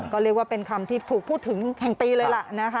ก็เรียกว่าเป็นคำที่ถูกพูดถึงแห่งปีเลยล่ะนะคะ